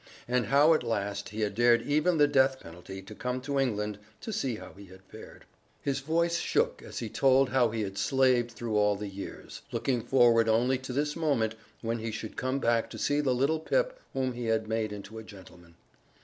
And how at last he had dared even the death penalty to come to England to see how he fared. His voice shook as he told how he had slaved through all the years, looking forward only to this moment when he should come back to see the little Pip whom he had made into a gentleman.